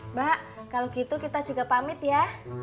mbak kalau gitu kita juga pamit ya